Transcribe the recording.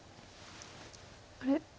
あれ？